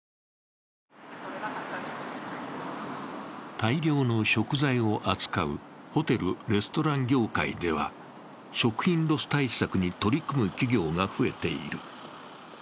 大量の食材を扱うホテル・レストラン業界では、食品ロス対策に取り組む企業が増えている。